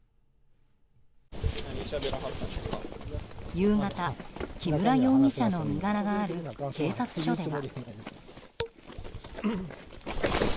夕方、木村容疑者の身柄がある警察署では。